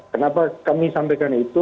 kenapa kami sampaikan itu